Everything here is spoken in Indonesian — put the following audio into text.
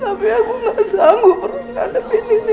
tapi aku gak sanggup harus ngadepin ini